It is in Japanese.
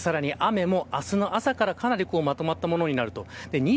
雨も明日の朝からかなりまとまったものになる。